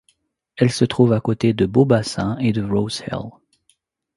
Elle se trouve à côté de Beau Bassin et de Rose-Hill.